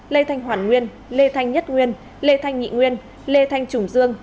lê thanh hoàn nguyên lê thanh nhất nguyên lê thanh nghị nguyên lê thanh trùng dương